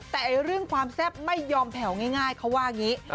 แต่เรื่องความแซ่บไม่ยอมแผ่วง่ายเขาว่าอย่างนี้